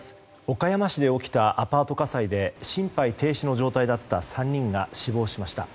岡山市で起きたアパート火災で心肺停止の状態だった３人が死亡しました。